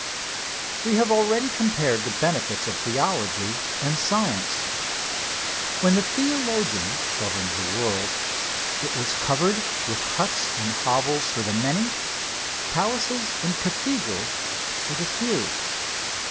We have already compared the benefits of theology and science. When the theologian governed the world, it was covered with huts and hovels for the many, palaces and cathedrals for the few.